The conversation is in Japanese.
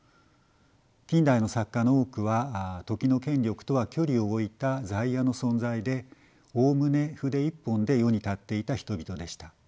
近代の作家の多くは時の権力とは距離を置いた在野の存在でおおむね筆一本で世に立っていた人々でした。